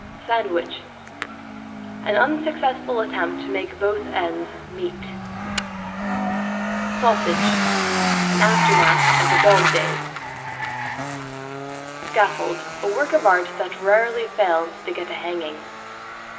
=SANDWICH= An unsuccessful attempt to make both ends meat. =SAUSAGE= An aftermath of the dog days. =SCAFFOLD= A work of art that rarely fails to get a hanging.